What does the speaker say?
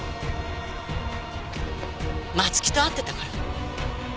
松木と会ってたから。